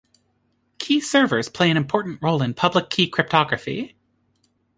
Key servers play an important role in public key cryptography.